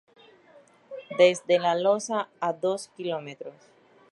Desde La Losa, a dos km.